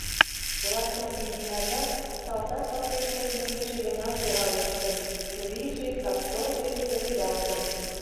Лачак Изинажат салтак ватеш кодмекыже гына сӧралештын: чурийже, кап-кылже пеледалтын.